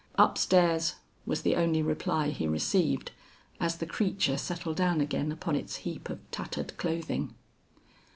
"Upstairs," was the only reply he received, as the creature settled down again upon its heap of tattered clothing.